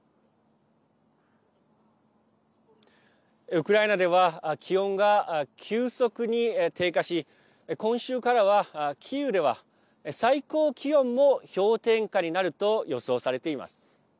ウクライナでは気温が急速に低下し今週からはキーウでは最高気温も氷点下になると予想されています。